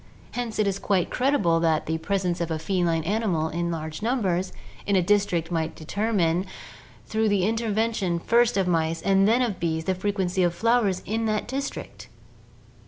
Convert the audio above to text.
Hence it is quite credible that the presence of a feline animal in large numbers in a district might determine, through the inter vention first of mice and then of bees, the frequency of flowers in that district